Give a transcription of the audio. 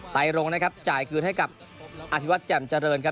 ไรรงนะครับจ่ายคืนให้กับอธิวัตรแจ่มเจริญครับ